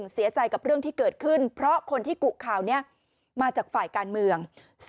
เสียใจกับเรื่องที่เกิดขึ้นเพราะคนที่กุข่าวนี้มาจากฝ่ายการเมือง